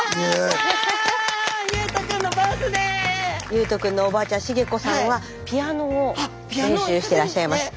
ゆうと君のおばあちゃん茂子さんはピアノを練習してらっしゃいます。